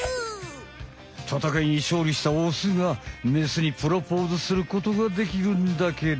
戦いにしょうりしたオスがメスにプロポーズすることができるんだけど。